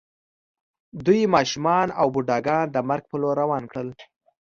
دوی ماشومان او بوډاګان د مرګ په لور روان کړل